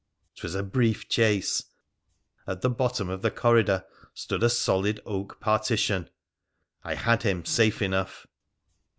'Twas a brief chase ! At the bottom of the corridor stood a solid oak partition — I had him safe enough.